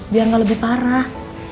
biar gak lebih parah